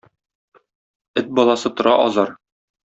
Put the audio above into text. Эт бaлaсы тoрa aзaр.